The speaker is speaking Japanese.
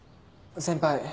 先輩。